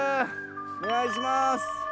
お願いします。